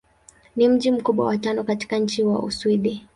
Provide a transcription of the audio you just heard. Ni mji mkubwa wa tano katika nchi wa Uswidi.